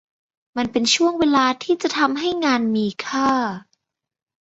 มันเป็นช่วงเวลาที่จะทำให้งานมีค่า